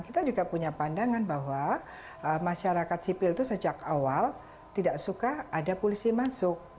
kita juga punya pandangan bahwa masyarakat sipil itu sejak awal tidak suka ada polisi masuk